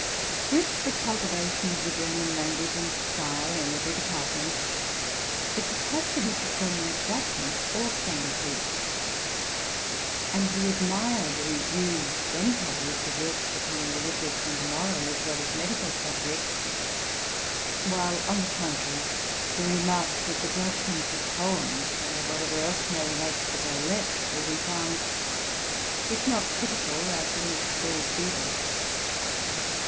With the cultivation of the German language and style in every department, the capacity for forming a judgment also Ancreased, and we admire the reviews then published of works upon religious and moral, as well as medical, subjects ; while, on the contrary, we remark that the judgments of poems, and of whatever else may relate to the belles lettres, will be found, if not pitiful, at least very feeble.